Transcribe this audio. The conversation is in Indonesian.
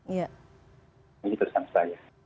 ini persan saya